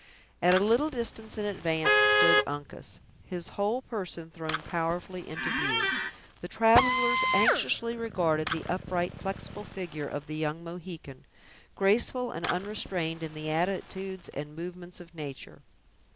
At a little distance in advance stood Uncas, his whole person thrown powerfully into view. The travelers anxiously regarded the upright, flexible figure of the young Mohican, graceful and unrestrained in the attitudes and movements of nature.